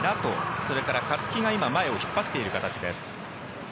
それから勝木が今前を引っ張っている形です。